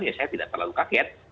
ya saya tidak terlalu kaget